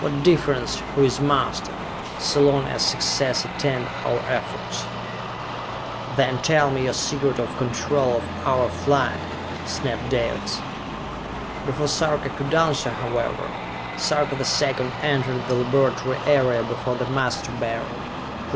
What difference who is master, so long as success attend our efforts?" "Then tell me your secret of control of our flight!" snapped Dalis. Before Sarka could answer, however, Sarka the Second entered the laboratory area before the Master Beryl.